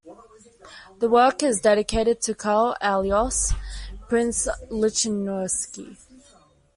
The work is dedicated to Karl Alois, Prince Lichnowsky.